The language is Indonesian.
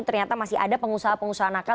ternyata masih ada pengusaha pengusaha nakal